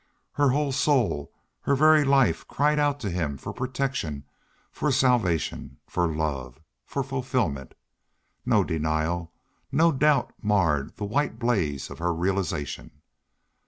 Her whole soul, her very life cried out to him for protection, for salvation, for love, for fulfillment. No denial, no doubt marred the white blaze of her realization.